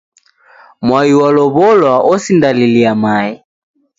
Mwai w'alow'olwa osindalilia mae